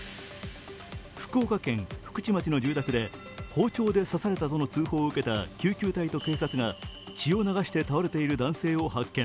福岡県福智町の住宅で包丁で刺されたとの通報を受けた救急隊と警察が血を流して倒れている男性を発見。